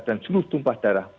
dan seluruh tumpah darah